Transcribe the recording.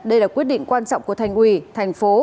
đây là quyết định quan trọng của thành ủy thành phố